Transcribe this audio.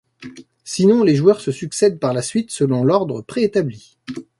Sinon, les joueurs se succèdent, par la suite, selon l'ordre préétabli.